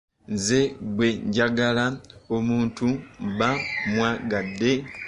Nze bwe njagala omuntu mba mwagadde.